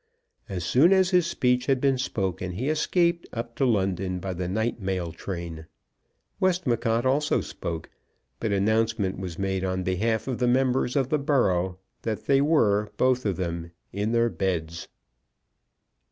As soon as his speech had been spoken he escaped up to London by the night mail train. Westmacott also spoke; but announcement was made on behalf of the members of the borough that they were, both of them, in their beds.